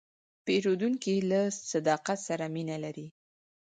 پیرودونکی له صداقت سره مینه لري.